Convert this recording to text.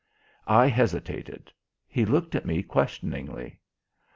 I hesitated. He looked at me questioningly.